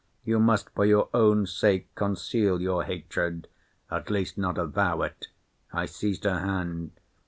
You must, for your own sake, conceal your hatred—at least not avow it. I seized her hand.